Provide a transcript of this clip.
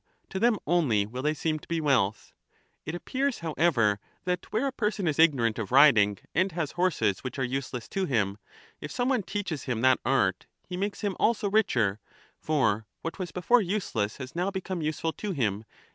to them only will they seem to be wealth. It appears, however, that where a person is ignorant of riding, and has horses which are useless to him, if some one teaches him that art, he makes him also richer, for what was before useless has now become useful to him.